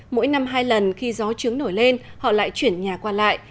mỗi năm hai lần khi gió trứng nổi lên họ lại chuyển nhà